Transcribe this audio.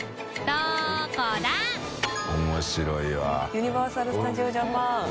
「ユニバーサル・スタジオ・ジャパン」